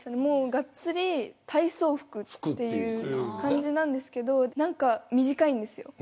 がっつり体操服という感じなんですけど何か短いんですよ。